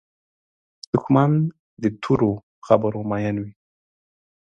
دښمن د تورو خبرو مین وي